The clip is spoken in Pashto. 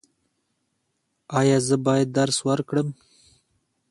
ایا زه باید درس ورکړم؟